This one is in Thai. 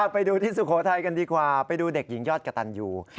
ไปดูที่สุโขทัยกันดีกว่าไปดูเด็กหญิงยอดกระตันอยู่